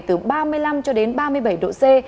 từ ba mươi năm cho đến ba mươi bảy độ c